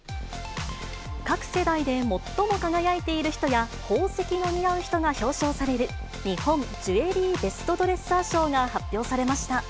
各世代で最も輝いている人や、宝石の似合う人が表彰される、日本ジュエリーベストドレッサー賞が発表されました。